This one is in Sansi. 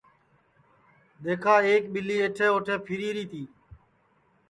دؔیکھا ایک ٻیلی ایٹھے اوٹھے پھیری ری تی